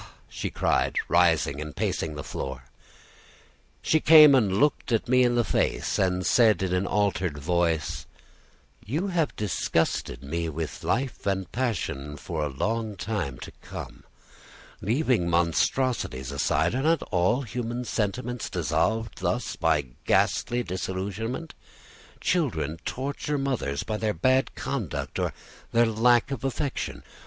she cried, rising and pacing the floor. She came and looked me in the face, and said in an altered voice: "You have disgusted me with life and passion for a long time to come. Leaving monstrosities aside, are not all human sentiments dissolved thus, by ghastly disillusionment? Children torture mothers by their bad conduct, or their lack of affection.